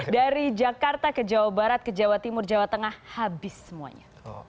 dari jakarta ke jawa barat ke jawa timur jawa tengah habis semuanya